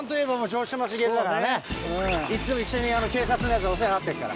いつも一緒に警察のやつお世話になってるから。